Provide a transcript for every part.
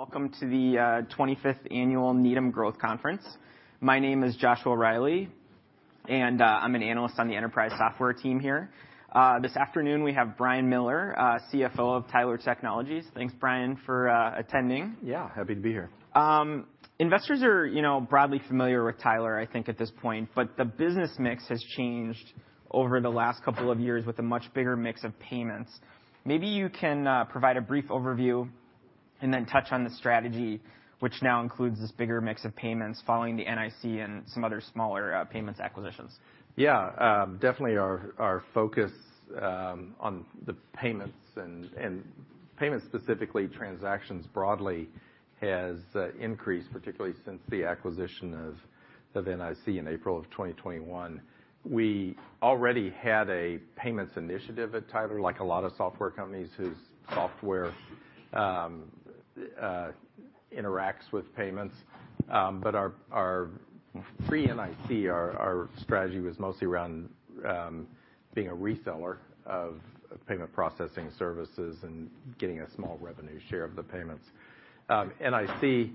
Welcome to the 25th annual Needham Growth Conference. My name is Joshua Reilly, and I'm an analyst on the enterprise software team here. This afternoon we have Brian Miller, CFO of Tyler Technologies. Thanks, Brian, for attending. Yeah. Happy to be here. Investors are, you know, broadly familiar with Tyler, I think, at this point. The business mix has changed over the last couple of years with a much bigger mix of payments. Maybe you can provide a brief overview and then touch on the strategy which now includes this bigger mix of payments following the NIC and some other smaller payments acquisitions. Yeah. Definitely our focus on the payments and payments, specifically transactions broadly, has increased, particularly since the acquisition of NIC in April of 2021. We already had a payments initiative at Tyler, like a lot of software companies whose software interacts with payments. Our pre-NIC, our strategy was mostly around being a reseller of payment processing services and getting a small revenue share of the payments. NIC,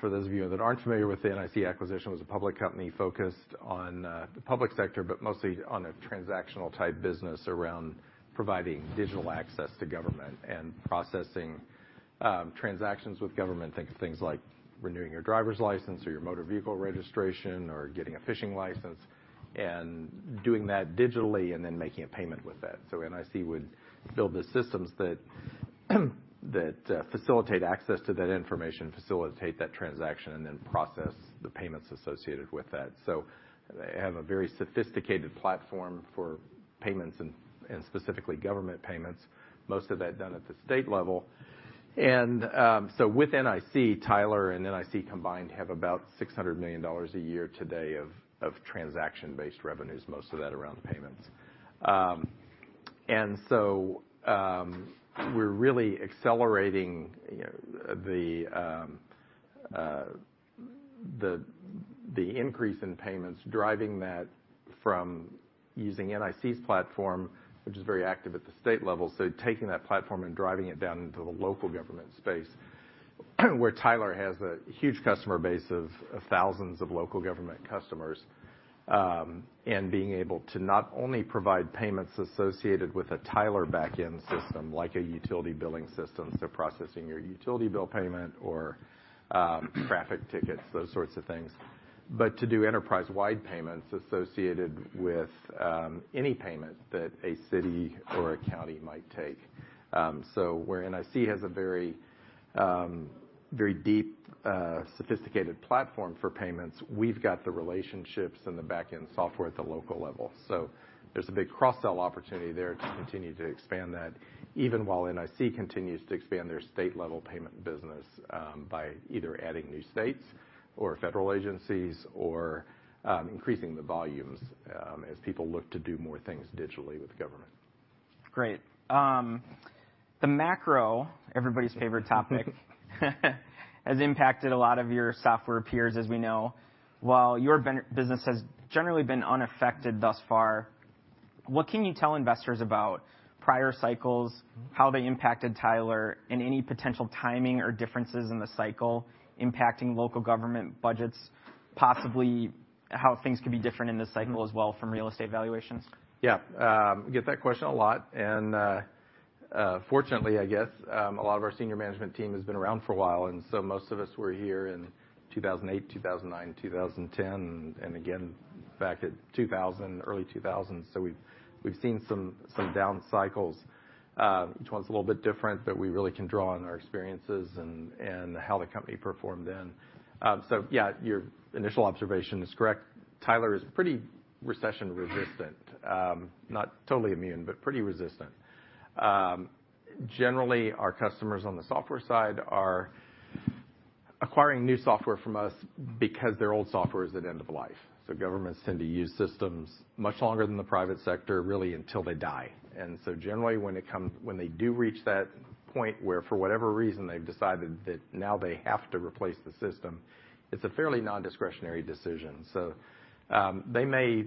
for those of you that aren't familiar with the NIC acquisition, was a public company focused on the public sector, but mostly on a transactional type business around providing digital access to government and processing transactions with government. Think of things like renewing your driver's license or your motor vehicle registration or getting a fishing license and doing that digitally and then making a payment with that. NIC would build the systems that facilitate access to that information, facilitate that transaction, and then process the payments associated with that. They have a very sophisticated platform for payments and specifically government payments, most of that done at the state level. with NIC, Tyler and NIC combined have about $600 million a year today of transaction-based revenues, most of that around payments. we're really accelerating, you know, the increase in payments, driving that from using NIC's platform, which is very active at the state level. Taking that platform and driving it down into the local government space, where Tyler has a huge customer base of thousands of local government customers, and being able to not only provide payments associated with a Tyler back-end system, like a utility billing system, so processing your utility bill payment or traffic tickets, those sorts of things, but to do enterprise-wide payments associated with any payment that a city or a county might take. Where NIC has a very deep, sophisticated platform for payments, we've got the relationships and the back-end software at the local level. There's a big cross-sell opportunity there to continue to expand that, even while NIC continues to expand their state-level payment business, by either adding new states or federal agencies or, increasing the volumes, as people look to do more things digitally with the government. Great. The macro, everybody's favorite topic, has impacted a lot of your software peers, as we know. While your business has generally been unaffected thus far, what can you tell investors about prior cycles? Mm-hmm... how they impacted Tyler and any potential timing or differences in the cycle impacting local government budgets, possibly how things could be different in this cycle as well from real estate valuations? Yeah. Get that question a lot and, fortunately, I guess, a lot of our senior management team has been around for a while. Most of us were here in 2008, 2009, 2010, and again back at 2000, early 2000s. We've seen some down cycles. Each one's a little bit different, but we really can draw on our experiences and how the company performed then. Yeah, your initial observation is correct. Tyler is pretty recession-resistant. Not totally immune, but pretty resistant. Generally, our customers on the software side are acquiring new software from us because their old software is at end of life. Governments tend to use systems much longer than the private sector, really until they die. Generally when they do reach that point where, for whatever reason, they've decided that now they have to replace the system, it's a fairly non-discretionary decision. They may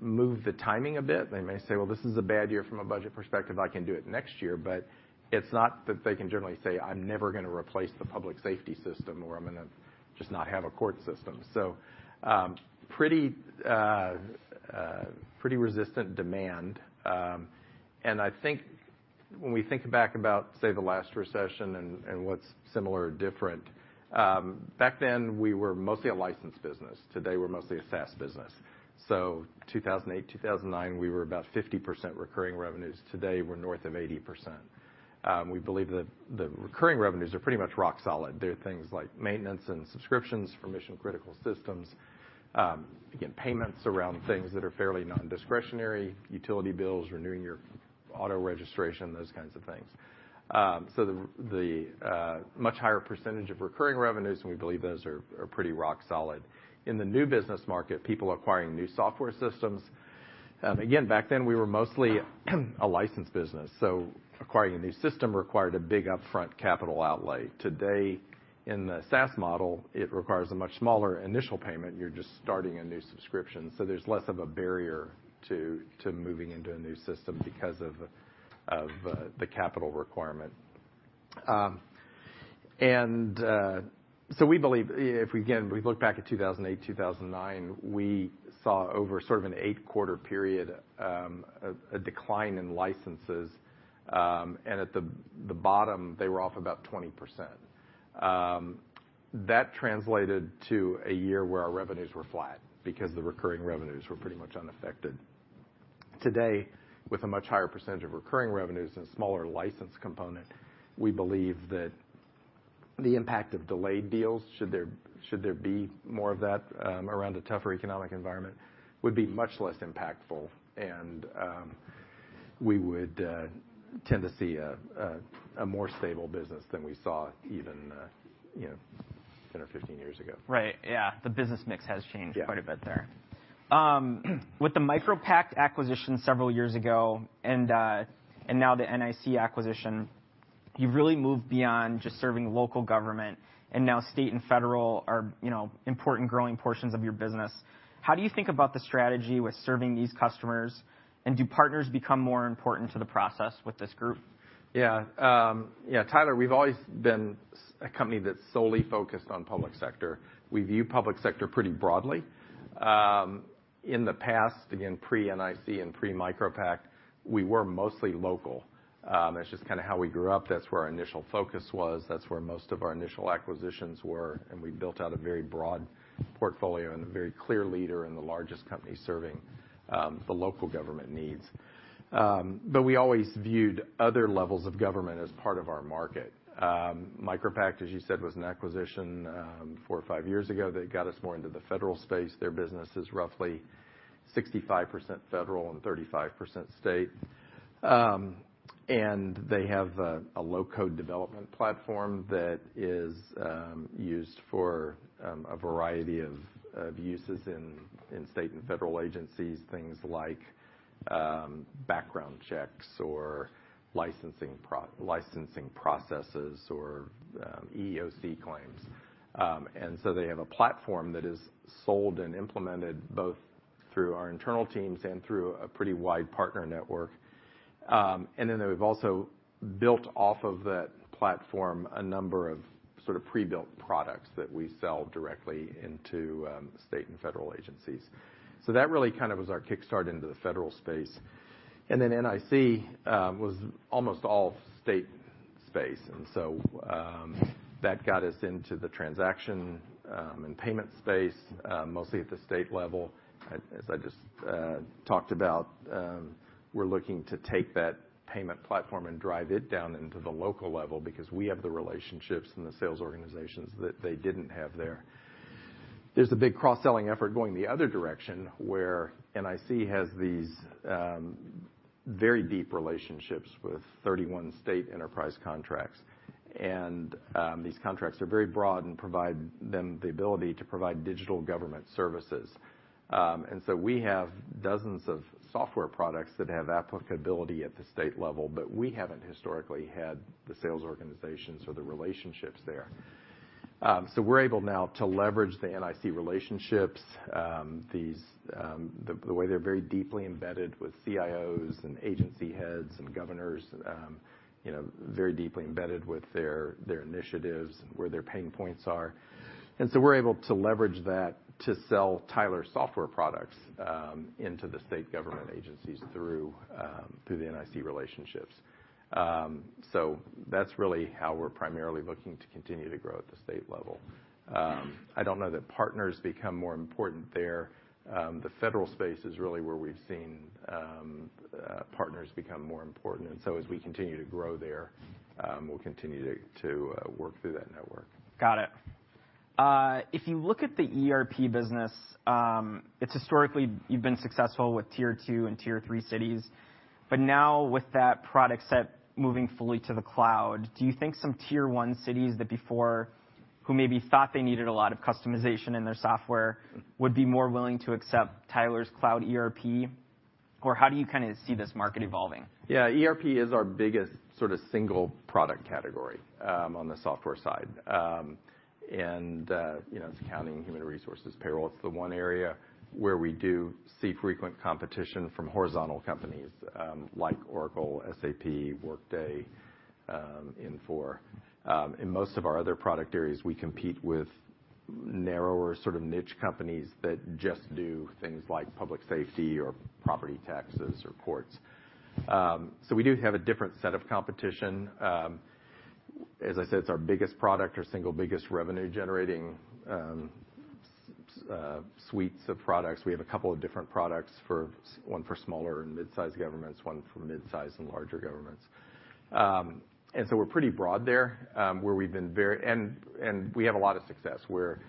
move the timing a bit. They may say, "Well, this is a bad year from a budget perspective. I can do it next year." It's not that they can generally say, "I'm never gonna replace the public safety system," or, "I'm gonna just not have a court system." Pretty resistant demand. I think when we think back about, say, the last recession and what's similar or different, back then, we were mostly a licensed business. Today, we're mostly a SaaS business. 2008, 2009, we were about 50% recurring revenues. Today, we're north of 80%. We believe that the recurring revenues are pretty much rock solid. They're things like maintenance and subscriptions for mission-critical systems. Again, payments around things that are fairly non-discretionary, utility bills, renewing your auto registration, those kinds of things. The much higher percentage of recurring revenues, and we believe those are pretty rock solid. In the new business market, people acquiring new software systems. Again, back then, we were mostly a license business, so acquiring a new system required a big upfront capital outlay. Today, in the SaaS model, it requires a much smaller initial payment. You're just starting a new subscription, so there's less of a barrier to moving into a new system because of the capital requirement. We believe if we, again, look back at 2008, 2009, we saw over sort of an eight quarter period, a decline in licenses, and at the bottom, they were off about 20%. That translated to a year where our revenues were flat because the recurring revenues were pretty much unaffected. Today, with a much higher percentage of recurring revenues and smaller license component, we believe that the impact of delayed deals, should there be more of that, around a tougher economic environment, would be much less impactful and we would tend to see a more stable business than we saw even, you know, 10 or 15 years ago. Right. Yeah. The business mix has changed- Yeah. quite a bit there. With the MicroPact acquisition several years ago and now the NIC acquisition, you've really moved beyond just serving local government, and now state and federal are, you know, important growing portions of your business. How do you think about the strategy with serving these customers, and do partners become more important to the process with this group? Yeah, Tyler, we've always been a company that's solely focused on public sector. We view public sector pretty broadly. In the past, again, pre-NIC and pre-MicroPact, we were mostly local. That's just kinda how we grew up. That's where our initial focus was. That's where most of our initial acquisitions were, we built out a very broad portfolio and a very clear leader and the largest company serving the local government needs. We always viewed other levels of government as part of our market. MicroPact, as you said, was an acquisition four or five years ago that got us more into the federal space. Their business is roughly 65% federal and 35% state. They have a low-code development platform that is used for a variety of uses in state and federal agencies, things like background checks or licensing processes or EEOC claims. They have a platform that is sold and implemented both through our internal teams and through a pretty wide partner network. We've also built off of that platform a number of sort of pre-built products that we sell directly into state and federal agencies. That really kind of was our kickstart into the federal space. NIC was almost all state space. That got us into the transaction and payment space, mostly at the state level. As I just talked about, we're looking to take that payment platform and drive it down into the local level because we have the relationships and the sales organizations that they didn't have there. There's a big cross-selling effort going the other direction, where NIC has these very deep relationships with 31 state enterprise contracts. These contracts are very broad and provide them the ability to provide digital government services. We have dozens of software products that have applicability at the state level, but we haven't historically had the sales organizations or the relationships there. We're able now to leverage the NIC relationships, the way they're very deeply embedded with CIOs and agency heads and governors, you know, very deeply embedded with their initiatives and where their pain points are. We're able to leverage that to sell Tyler software products into the state government agencies through the NIC relationships. That's really how we're primarily looking to continue to grow at the state level. I don't know that partners become more important there. The federal space is really where we've seen partners become more important. As we continue to grow there, we'll continue to work through that network. Got it. If you look at the ERP business, it's historically you've been successful with Tier 2 and Tier 3 cities. Now with that product set moving fully to the cloud, do you think some Tier 1 cities that before who maybe thought they needed a lot of customization in their software would be more willing to accept Tyler's cloud ERP, or how do you kind of see this market evolving? Yeah. ERP is our biggest sorta single product category, on the software side. You know, it's accounting, human resources, payroll. It's the one area where we do see frequent competition from horizontal companies, like Oracle, SAP, Workday, Infor. In most of our other product areas, we compete with narrower sort of niche companies that just do things like public safety or property taxes or courts. We do have a different set of competition. As I said, it's our biggest product or single biggest revenue generating suites of products. We have a couple of different products for one for smaller and midsize governments, one for midsize and larger governments. We're pretty broad there, where we've been and we have a lot of success. We're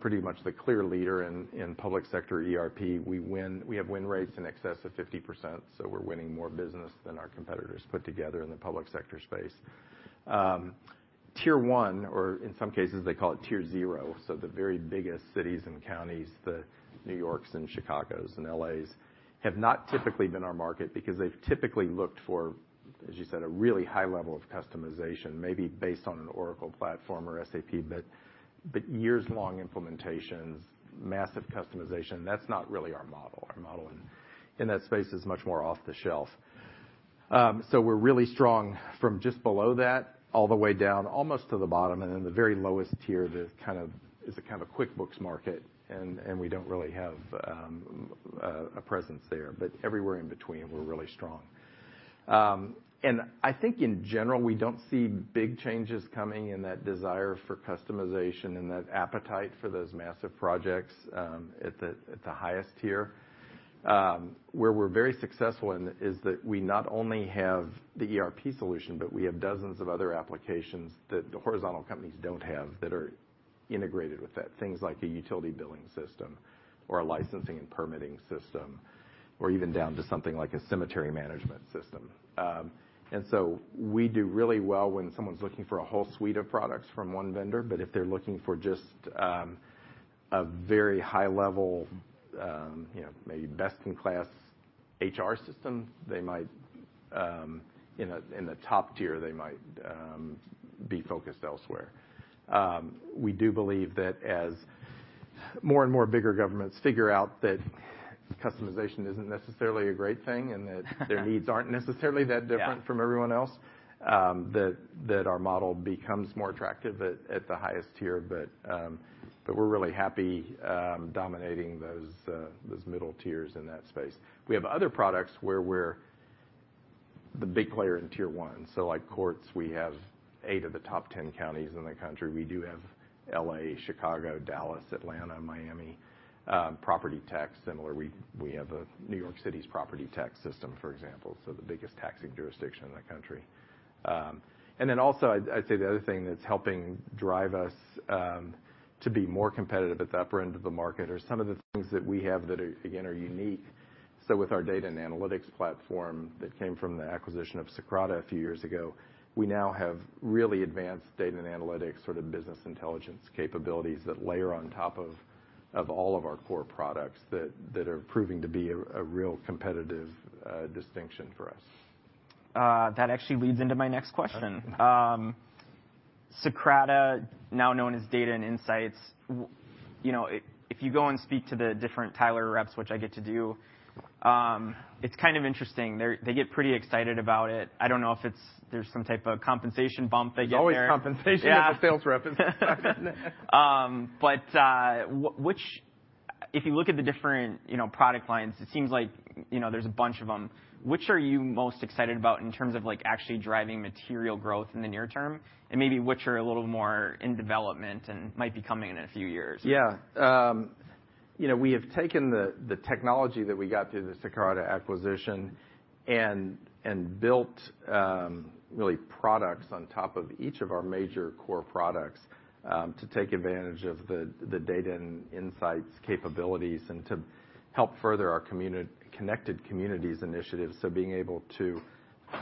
pretty much the clear leader in public sector ERP. We have win rates in excess of 50%, so we're winning more business than our competitors put together in the public sector space. Tier 1, or in some cases, they call it Tier 0, so the very biggest cities and counties, the New Yorks and Chicagos and L.A.s, have not typically been our market because they've typically looked for, as you said, a really high level of customization, maybe based on an Oracle platform or SAP, but years-long implementations, massive customization, that's not really our model. Our model in that space is much more off-the-shelf. We're really strong from just below that all the way down almost to the bottom, and then the very lowest Tier that kind of is a QuickBooks market, and we don't really have a presence there. Everywhere in between, we're really strong. I think in general, we don't see big changes coming in that desire for customization and that appetite for those massive projects at the highest Tier. Where we're very successful in it is that we not only have the ERP solution, but we have dozens of other applications that the horizontal companies don't have that are integrated with that. Things like a utility billing system or a licensing and permitting system, or even down to something like a cemetery management system. We do really well when someone's looking for a whole suite of products from one vendor. If they're looking for just, a very high level, you know, maybe best in class HR system, they might, in a, in the top Tier, they might, be focused elsewhere. We do believe that as more and more bigger governments figure out that customization isn't necessarily a great thing, and that their needs aren't necessarily that different from everyone else, that our model becomes more attractive at the highest Tier. We're really happy, dominating those middle Tiers in that space. We have other products where we're the big player in Tier 1. Courts, we have eight of the top 10 counties in the country. We do have L.A., Chicago, Dallas, Atlanta, Miami. Property tax, similar, we have a New York City's property tax system, for example, the biggest taxing jurisdiction in the country. Also I'd say the other thing that's helping drive us to be more competitive at the upper end of the market are some of the things that we have that are, again, unique. With our data and analytics platform that came from the acquisition of Socrata a few years ago, we now have really advanced data and analytics sort of business intelligence capabilities that layer on top of all of our core products that are proving to be a real competitive distinction for us. That actually leads into my next question. Socrata, now known as Data & Insights, you know, if you go and speak to the different Tyler reps, which I get to do, it's kind of interesting. They get pretty excited about it. I don't know if it's there's some type of compensation bump they get there. There's always compensation as a sales rep. Yeah. If you look at the different, you know, product lines, it seems like, you know, there's a bunch of them. Which are you most excited about in terms of like actually driving material growth in the near-term? Maybe which are a little more in development and might be coming in a few years? Yeah. you know, we have taken the technology that we got through the Socrata acquisition and built really products on top of each of our major core products to take advantage of the Data & Insights capabilities and to help further our Connected Communities initiatives. Being able to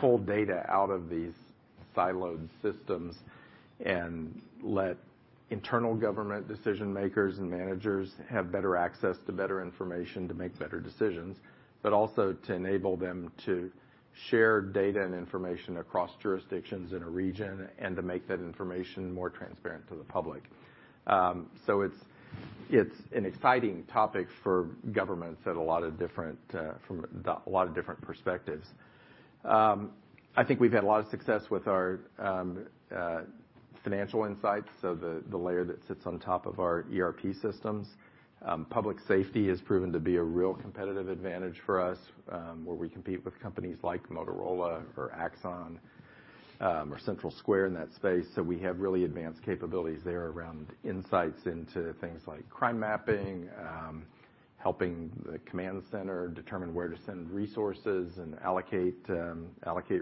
pull data out of these siloed systems and let internal government decision makers and managers have better access to better information to make better decisions, but also to enable them to share data and information across jurisdictions in a region, and to make that information more transparent to the public. It's an exciting topic for governments at a lot of different from a lot of different perspectives. I think we've had a lot of success with our financial insights, so the layer that sits on top of our ERP systems. Public safety has proven to be a real competitive advantage for us, where we compete with companies like Motorola or Axon, or CentralSquare in that space. We have really advanced capabilities there around insights into things like crime mapping, helping the command center determine where to send resources and allocate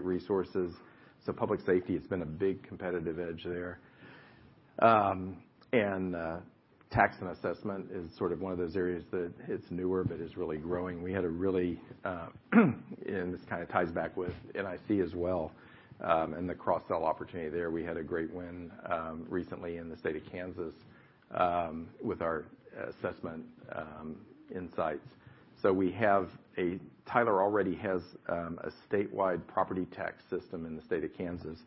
resources. Public safety has been a big competitive edge there. Tax and assessment is sort of one of those areas that it's newer but is really growing. We had a really, and this kinda ties back with NIC as well, and the cross-sell opportunity there. We had a great win recently in the state of Kansas with our assessment insights. Tyler already has a statewide property tax system in the state of Kansas,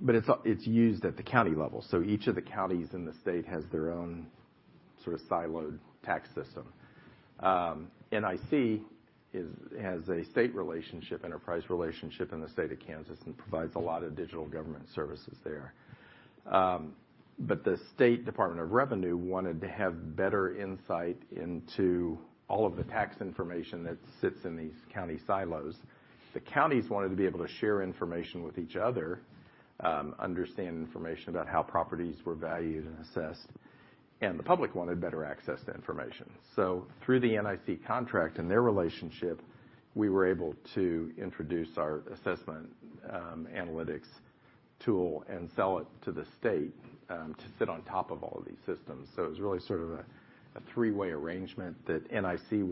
but it's used at the county level, so each of the counties in the state has their own sort of siloed tax system. NIC has a state relationship, enterprise relationship in the state of Kansas and provides a lot of digital government services there. The state Department of Revenue wanted to have better insight into all of the tax information that sits in these county silos. The counties wanted to be able to share information with each other, understand information about how properties were valued and assessed, and the public wanted better access to information. Through the NIC contract and their relationship, we were able to introduce our assessment, analytics tool and sell it to the state, to sit on top of all of these systems. It was really sort of a three-way arrangement that NIC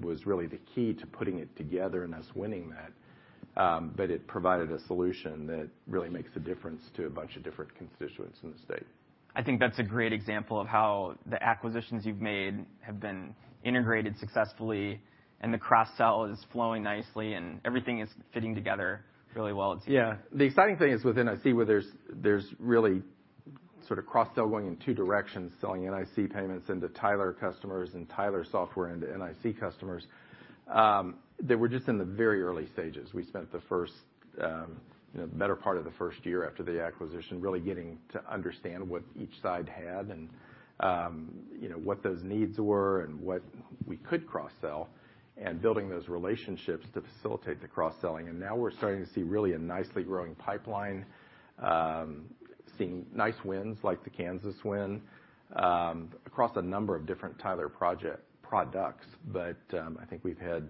was really the key to putting it together and us winning that. It provided a solution that really makes a difference to a bunch of different constituents in the state. I think that's a great example of how the acquisitions you've made have been integrated successfully, and the cross-sell is flowing nicely, and everything is fitting together really well it seems. The exciting thing is with NIC, where there's really sort of cross-sell going in two directions, selling NIC payments into Tyler customers and Tyler software into NIC customers. They were just in the very early stages. We spent the first, you know, better part of the first year after the acquisition, really getting to understand what each side had and, you know, what those needs were and what we could cross-sell, and building those relationships to facilitate the cross-selling. Now we're starting to see really a nicely growing pipeline, seeing nice wins like the Kansas win, across a number of different Tyler products. I think we've had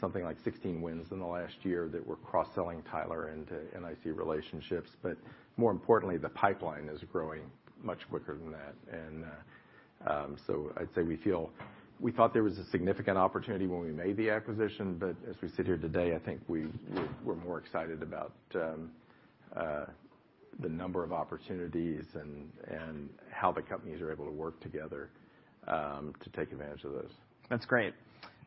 something like 16 wins in the last year that we're cross-selling Tyler into NIC relationships. More importantly, the pipeline is growing much quicker than that. I'd say we thought there was a significant opportunity when we made the acquisition, but as we sit here today, I think we're more excited about the number of opportunities and how the companies are able to work together to take advantage of those. That's great.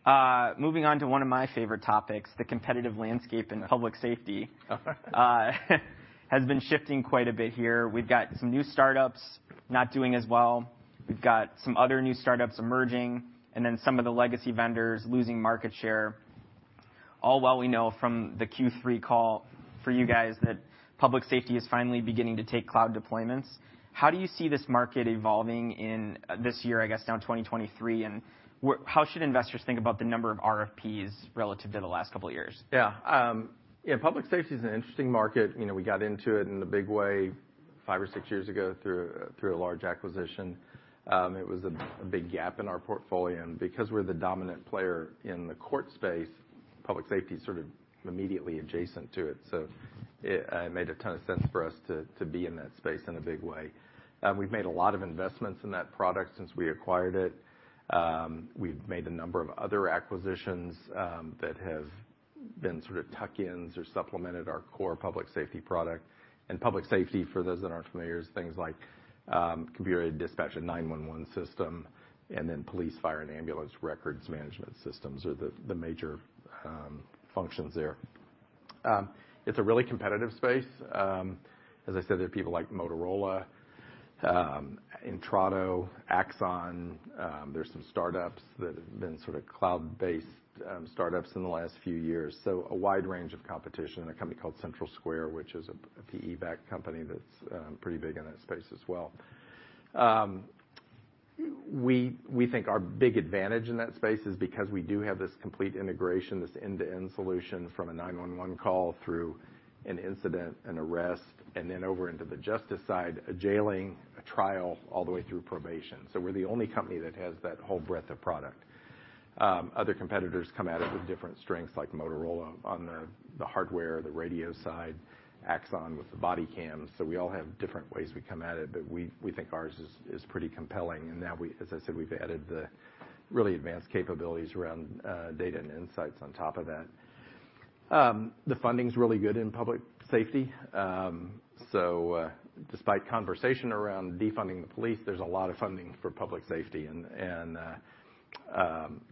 Moving on to one of my favorite topics, the competitive landscape and public safety, has been shifting quite a bit here. We've got some new startups not doing as well. We've got some other new startups emerging, and then some of the legacy vendors losing market share. All while we know from the Q3 call for you guys that public safety is finally beginning to take cloud deployments. How do you see this market evolving in this year, I guess now 2023, and how should investors think about the number of RFPs relative to the last couple of years? Public safety is an interesting market. You know, we got into it in a big way five or six years ago through a large acquisition. It was a big gap in our portfolio. Because we're the dominant player in the court space, public safety's sort of immediately adjacent to it. It made a ton of sense for us to be in that space in a big way. We've made a lot of investments in that product since we acquired it. We've made a number of other acquisitions that have been sort of tuck-ins or supplemented our core public safety product. Public safety, for those that aren't familiar, is things like computer-aided dispatch, a 911 system, and then police, fire, and ambulance records management systems are the major functions there. It's a really competitive space. As I said, there are people like Motorola, Intrado, Axon, there's some startups that have been sort of cloud-based startups in the last few years. A wide range of competition. A company called CentralSquare, which is a PE-backed company that's pretty big in that space as well. We think our big advantage in that space is because we do have this complete integration, this end-to-end solution from a 911 call through an incident, an arrest, and then over into the justice side, a jailing, a trial, all the way through probation. We're the only company that has that whole breadth of product. Other competitors come at it with different strengths, like Motorola on their-- the hardware, the radio side, Axon with the body cams. We all have different ways we come at it, but we think ours is pretty compelling. Now as I said, we've added the really advanced capabilities around data and insights on top of that. The funding's really good in public safety. Despite conversation around defunding the police, there's a lot of funding for public safety and.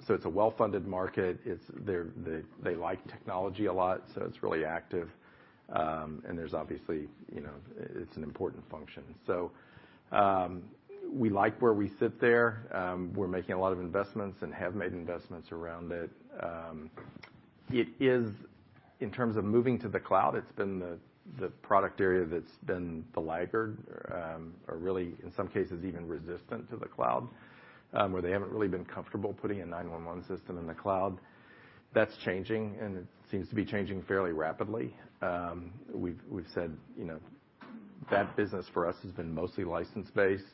It's a well-funded market. They, they like technology a lot, so it's really active. There's obviously, you know, it's an important function. We like where we sit there. We're making a lot of investments and have made investments around it. In terms of moving to the cloud, it's been the product area that's been the laggard, or really in some cases even resistant to the cloud, where they haven't really been comfortable putting a 911 system in the cloud. That's changing, and it seems to be changing fairly rapidly. We've said, you know, that business for us has been mostly license-based,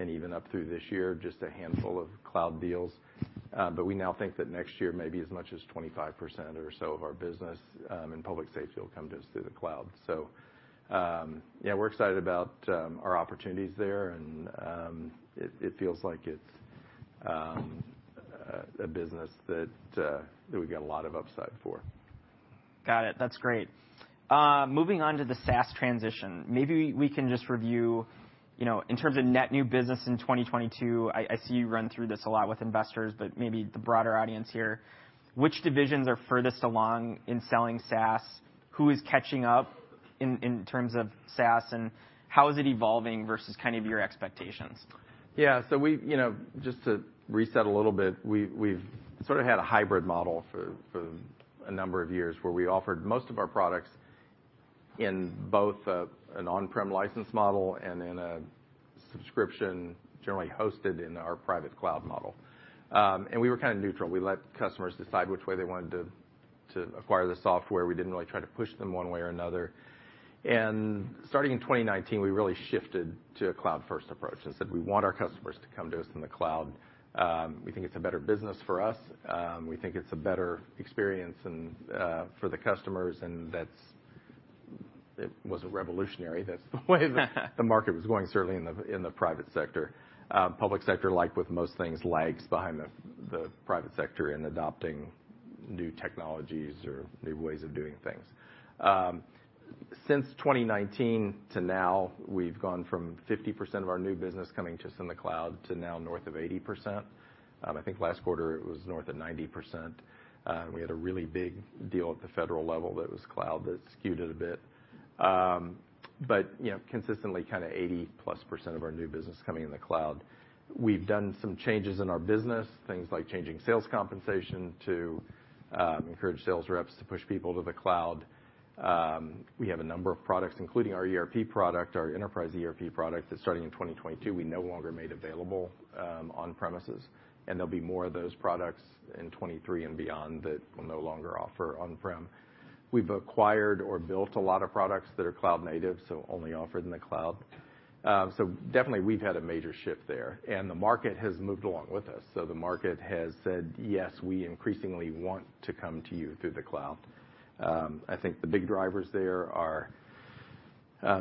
and even up through this year, just a handful of cloud deals. We now think that next year, maybe as much as 25% or so of our business in public safety will come to us through the cloud. Yeah, we're excited about our opportunities there, and it feels like it's a business that we've got a lot of upside for. Got it. That's great. Moving on to the SaaS transition, maybe we can just review, you know, in terms of net new business in 2022, I see you run through this a lot with investors, but maybe the broader audience here. Which divisions are furthest along in selling SaaS? Who is catching up in terms of SaaS, and how is it evolving versus kind of your expectations? Yeah. We've, you know, just to reset a little bit, we've sort of had a hybrid model for a number of years, where we offered most of our products in both an on-prem license model and in a subscription generally hosted in our private cloud model. We were kind of neutral. We let customers decide which way they wanted to acquire the software. We didn't really try to push them one way or another. Starting in 2019, we really shifted to a cloud-first approach and said we want our customers to come to us in the cloud. We think it's a better business for us. We think it's a better experience and for the customers. It wasn't revolutionary. That's the way the market was going, certainly in the private sector. Public sector, like with most things, lags behind the private sector in adopting new technologies or new ways of doing things. Since 2019 to now, we've gone from 50% of our new business coming to us in the cloud to now north of 80%. I think last quarter it was north of 90%. We had a really big deal at the federal level that was cloud that skewed it a bit. You know, consistently kinda 80%+ of our new business coming in the cloud. We've done some changes in our business, things like changing sales compensation to encourage sales reps to push people to the cloud. We have a number of products, including our ERP product, our enterprise ERP product that starting in 2022, we no longer made available on-premises, and there'll be more of those products in 2023 and beyond that we'll no longer offer on-prem. We've acquired or built a lot of products that are cloud-native, so only offered in the cloud. Definitely we've had a major shift there. The market has moved along with us. The market has said, "Yes, we increasingly want to come to you through the cloud." I think the big drivers there are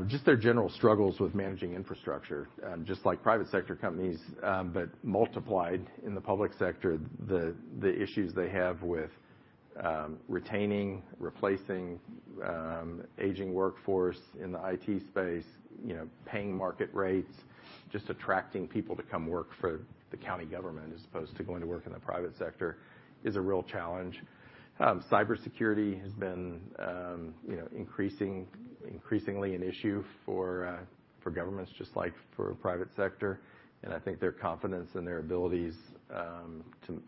just their general struggles with managing infrastructure, just like private sector companies, but multiplied in the public sector, the issues they have with retaining, replacing, aging workforce in the IT space, you know, paying market rates, just attracting people to come work for the county government as opposed to going to work in the private sector is a real challenge. Cybersecurity has been, you know, increasingly an issue for governments just like for private sector, and I think their confidence in their abilities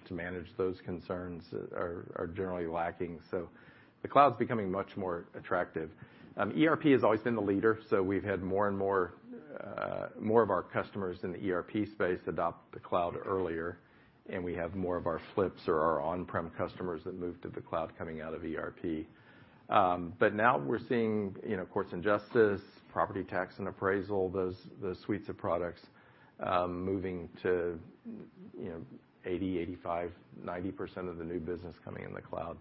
to manage those concerns are generally lacking. The cloud's becoming much more attractive. ERP has always been the leader, so we've had more and more, more of our customers in the ERP space adopt the cloud earlier, and we have more of our flips or our on-prem customers that move to the cloud coming out of ERP. Now we're seeing, you know, courts and justice, property tax and appraisal, those suites of products, moving to, you know, 80%, 85%, 90% of the new business coming in the cloud.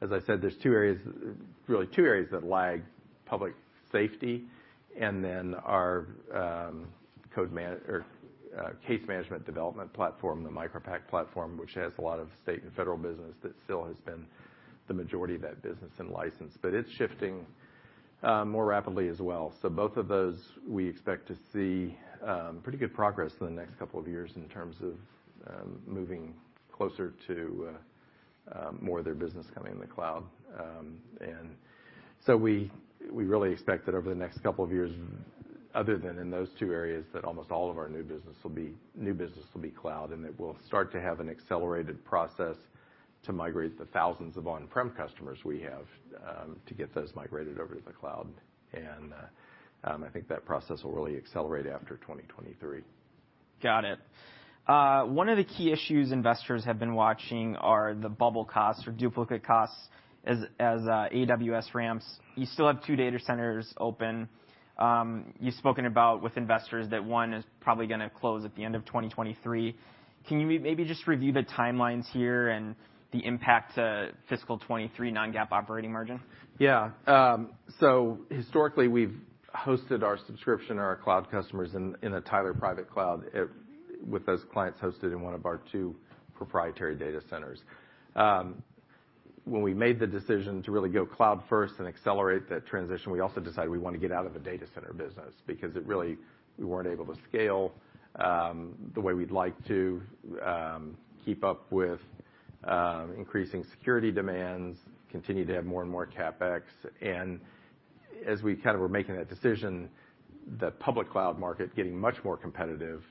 As I said, there's two areas, really two areas that lag public safety and then our case management development platform, the MicroPact platform, which has a lot of state and federal business that still has been the majority of that business and license. It's shifting more rapidly as well. Both of those, we expect to see pretty good progress in the next couple of years in terms of moving closer to more of their business coming in the cloud. We really expect that over the next couple of years, other than in those two areas, that almost all of our new business will be cloud, and it will start to have an accelerated process to migrate the thousands of on-prem customers we have to get those migrated over to the cloud. I think that process will really accelerate after 2023. Got it. One of the key issues investors have been watching are the bubble costs or duplicate costs as AWS ramps. You still have two data centers open. You've spoken about with investors that one is probably gonna close at the end of 2023. Can you maybe just review the timelines here and the impact to fiscal 2023 non-GAAP operating margin? Yeah. Historically, we've hosted our subscription or our cloud customers in a entirely private cloud with those clients hosted in one of our two proprietary data centers. When we made the decision to really go cloud first and accelerate that transition, we also decided we wanna get out of the data center business because we weren't able to scale the way we'd like to, keep up with increasing security demands, continue to add more and more CapEx. As we kind of were making that decision, the public cloud market getting much more competitive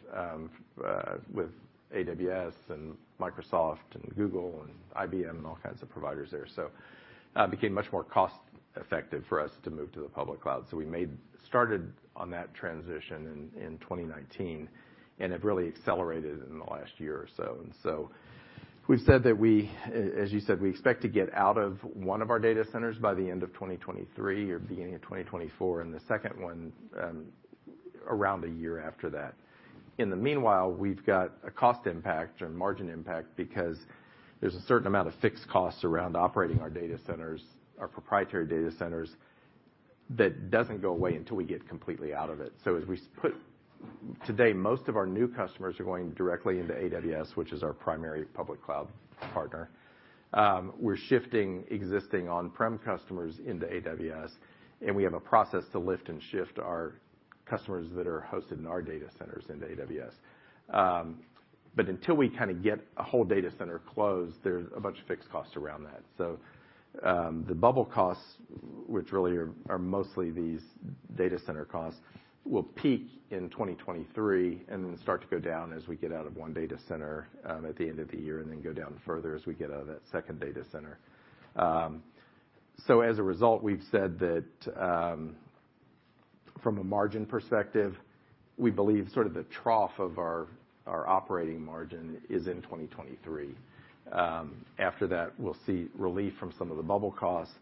with AWS and Microsoft and Google and IBM, and all kinds of providers there. Became much more cost-effective for us to move to the public cloud. We started on that transition in 2019, and it really accelerated in the last year or so. We've said that, as you said, we expect to get out of one of our data centers by the end of 2023 or beginning of 2024, and the second one, around a year after that. In the meanwhile, we've got a cost impact or margin impact because there's a certain amount of fixed costs around operating our data centers, our proprietary data centers, that doesn't go away until we get completely out of it. As we put. Today, most of our new customers are going directly into AWS, which is our primary public cloud partner. We're shifting existing on-prem customers into AWS, and we have a process to lift and shift our customers that are hosted in our data centers into AWS. Until we kinda get a whole data center closed, there's a bunch of fixed costs around that. The bubble costs, which really are mostly these data center costs, will peak in 2023 and then start to go down as we get out of one data center at the end of the year, and then go down further as we get out of that second data center. As a result, we've said that, from a margin perspective, we believe sort of the trough of our operating margin is in 2023. After that, we'll see relief from some of the bubble costs.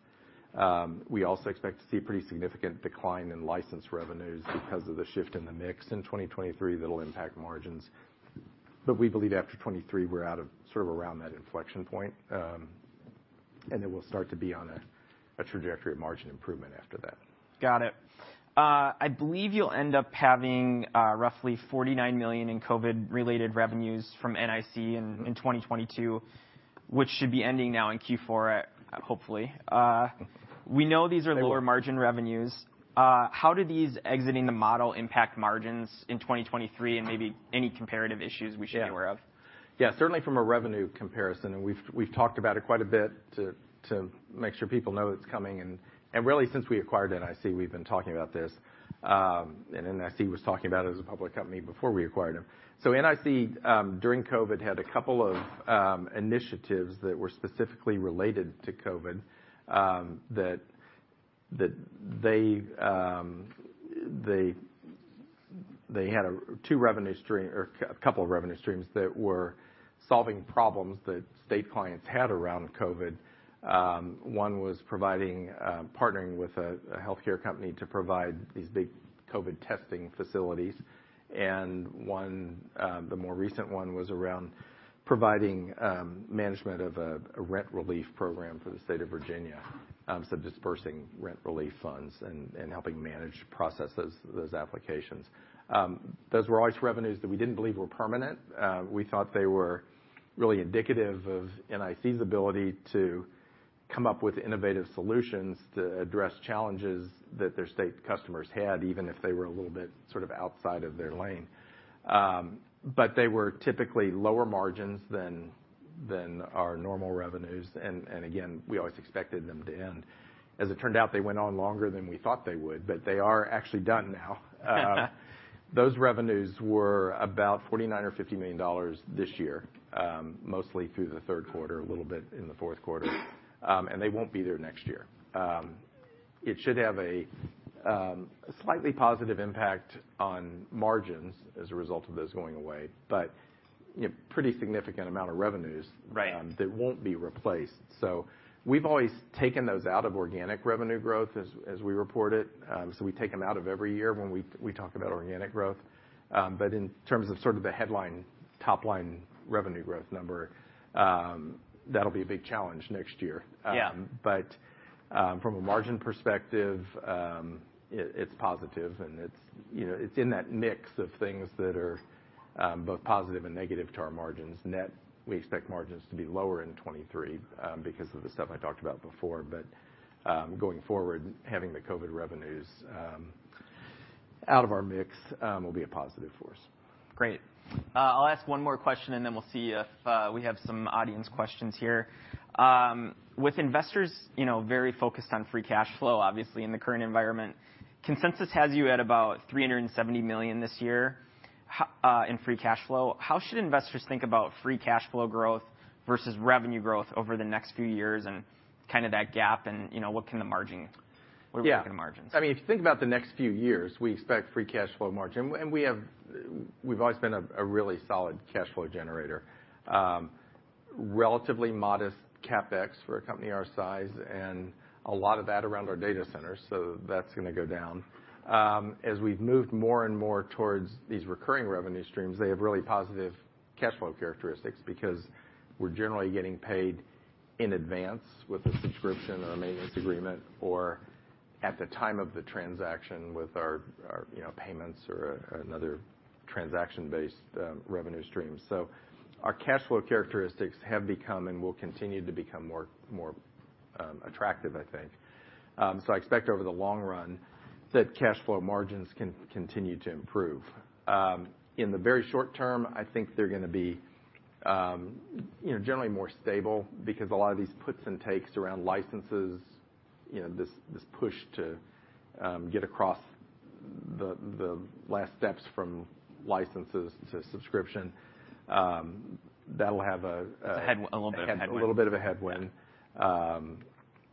We also expect to see pretty significant decline in license revenues because of the shift in the mix in 2023 that'll impact margins. We believe after 2023, we're out of sort of around that inflection point, and then we'll start to be on a trajectory of margin improvement after that. Got it. I believe you'll end up having, roughly $49 million in COVID-related revenues from NIC in 2022, which should be ending now in Q4, hopefully. We know these are lower-margin revenues. How do these exiting the model impact margins in 2023, and maybe any comparative issues we should be aware of? Certainly from a revenue comparison, we've talked about it quite a bit to make sure people know it's coming, and really since we acquired NIC, we've been talking about this. NIC was talking about it as a public company before we acquired them. NIC during COVID, had a couple of initiatives that were specifically related to COVID, that they had a couple of revenue streams that were solving problems that state clients had around COVID. One was providing partnering with a healthcare company to provide these big COVID testing facilities. One, the more recent one was around providing management of a rent relief program for the state of Virginia. Disbursing rent relief funds and helping manage processes those applications. Those were always revenues that we didn't believe were permanent. We thought they were really indicative of NIC's ability to come up with innovative solutions to address challenges that their state customers had, even if they were a little bit sort of outside of their lane. They were typically lower margins than our normal revenues. Again, we always expected them to end. As it turned out, they went on longer than we thought they would, but they are actually done now. Those revenues were about $49 million or $50 million this year, mostly through the third quarter, a little bit in the fourth quarter. They won't be there next year. It should have a slightly positive impact on margins as a result of those going away. You know, pretty significant amount of revenues. Right ...that won't be replaced. We've always taken those out of organic revenue growth as we report it. We take them out of every year when we talk about organic growth. In terms of sort of the headline, top-line revenue growth number, that'll be a big challenge next year. Yeah. From a margin perspective, it's positive and it's, you know, it's in that mix of things that are both positive and negative to our margins. Net, we expect margins to be lower in 2023, because of the stuff I talked about before. Going forward, having the COVID revenues, out of our mix, will be a positive for us. Great. I'll ask one more question, and then we'll see if we have some audience questions here. With investors, you know, very focused on free cash flow, obviously, in the current environment, consensus has you at about $370 million this year in free cash flow. How should investors think about free cash flow growth versus revenue growth over the next few years and kind of that gap and, you know, what can the margin-. Yeah. What are we looking at margins? I mean, if you think about the next few years, we expect free cash flow margin. We've always been a really solid cash flow generator. Relatively modest CapEx for a company our size and a lot of that around our data centers, so that's gonna go down. As we've moved more and more towards these recurring revenue streams, they have really positive cash flow characteristics because we're generally getting paid in advance with a subscription or a maintenance agreement or at the time of the transaction with our, you know, payments or another transaction-based revenue stream. Our cash flow characteristics have become and will continue to become more attractive, I think. I expect over the long run that cash flow margins can continue to improve. In the very short-term, I think they're gonna be, you know, generally more stable because a lot of these puts and takes around licenses, you know, this push to get across the last steps from licenses to subscription, that'll have a. It's a little bit of a headwind. A little bit of a headwind.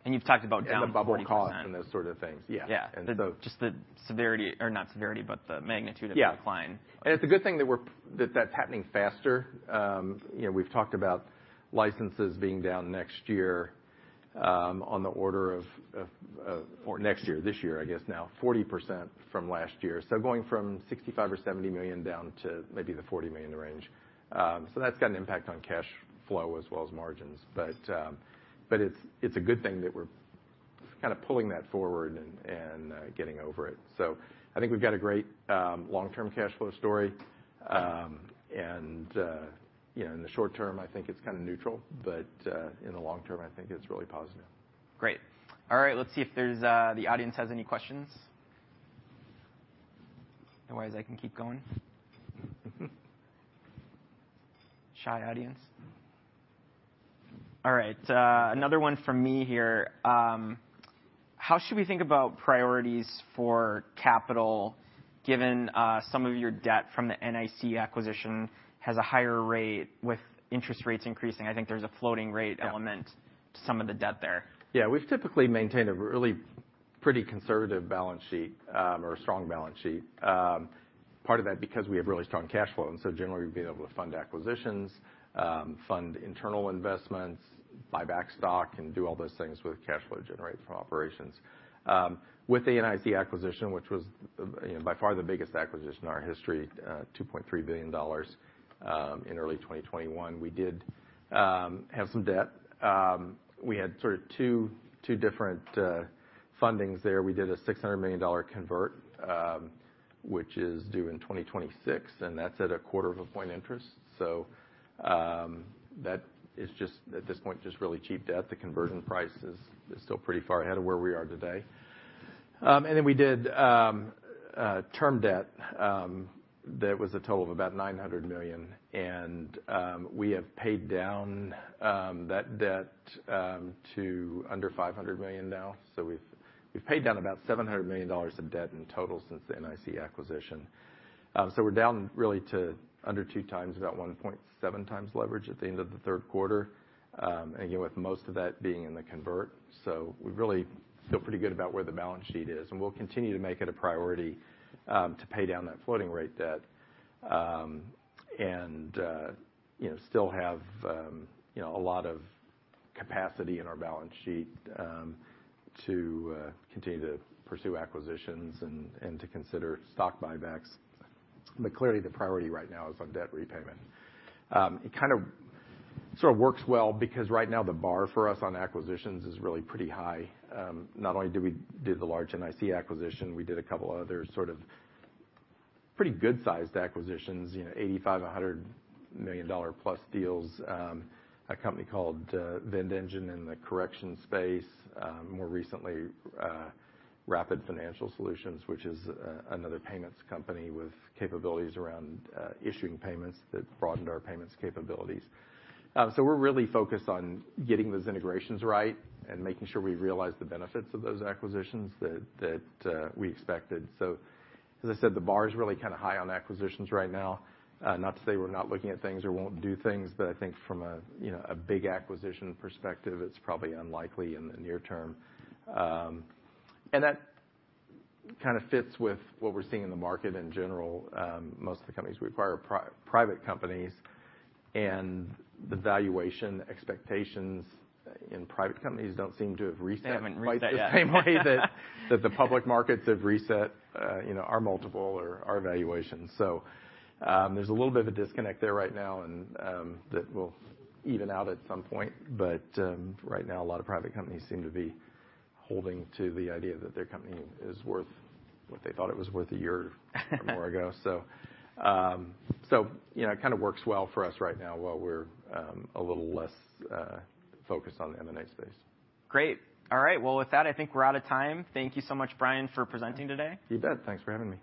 You've talked about down 40%. The bubble cost and those sort of things. Yeah. Yeah. And so- Just the severity or not severity, but the magnitude of the decline. Yeah. It's a good thing that that's happening faster. You know, we've talked about licenses being down next year, on the order of Or next year, this year, I guess now, 40% from last year. Going from $65 million or $70 million down to maybe the $40 million range. That's got an impact on cash flow as well as margins. But it's a good thing that we're kinda pulling that forward and getting over it. I think we've got a great long-term cash flow story. And, you know, in the short-term, I think it's kinda neutral, but in the long-term, I think it's really positive. Great. All right. Let's see if there's the audience has any questions. Otherwise, I can keep going. Shy audience. All right, another one from me here. How should we think about priorities for capital given some of your debt from the NIC acquisition has a higher rate with interest rates increasing? I think there's a floating rate. Yeah ...to some of the debt there. We've typically maintained a really pretty conservative balance sheet, or a strong balance sheet. Part of that because we have really strong cash flow, generally, we've been able to fund acquisitions, fund internal investments, buy back stock, and do all those things with cash flow generated from operations. With the NIC acquisition, which was You know, by far the biggest acquisition in our history, $2.3 billion in early 2021. We did have some debt. We had sort of two different fundings there. We did a $600 million convert, which is due in 2026, that's at a quarter of a point interest. That is just at this point, really cheap debt. The conversion price is still pretty far ahead of where we are today. We did term debt that was a total of about $900 million. We have paid down that debt to under $500 million now. We've paid down about $700 million of debt in total since the NIC acquisition. We're down really to under two times, about 1.7 times leverage at the end of the third quarter, again, with most of that being in the convert. We really feel pretty good about where the balance sheet is, and we'll continue to make it a priority to pay down that floating rate debt. You know, still have, you know, a lot of capacity in our balance sheet to continue to pursue acquisitions and to consider stock buybacks. Clearly, the priority right now is on debt repayment. It kind of sort of works well because right now the bar for us on acquisitions is really pretty high. Not only did the large NIC acquisition, we did a couple other sort of pretty good-sized acquisitions, you know, $85 million-$100 million plus deals. A company called VendEngine in the correction space, more recently, Rapid Financial Solutions, which is another payments company with capabilities around issuing payments that broadened our payments capabilities. We're really focused on getting those integrations right and making sure we realize the benefits of those acquisitions that we expected. As I said, the bar is really kind of high on acquisitions right now. Not to say we're not looking at things or won't do things. I think from a, you know, a big acquisition perspective, it's probably unlikely in the near-term. That kind of fits with what we're seeing in the market in general. Most of the companies we acquire are private companies, and the valuation expectations in private companies don't seem to have reset. They haven't reset yet. quite the same way that the public markets have reset, you know, our multiple or our valuations. There's a little bit of a disconnect there right now and, that will even out at some point. Right now, a lot of private companies seem to be holding to the idea that their company is worth what they thought it was worth a year or more ago. You know, it kind of works well for us right now while we're a little less focused on the M&A space. Great. All right. With that, I think we're out of time. Thank you so much, Brian, for presenting today. You bet. Thanks for having me.